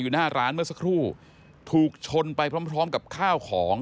หน้าร้านเมื่อสักครู่ถูกชนไปพร้อมพร้อมกับข้าวของ